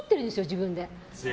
自分で。